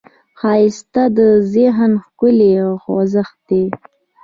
ښایست د ذهن ښکلې خوځښت دی